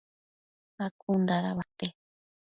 ma cun dada uate ?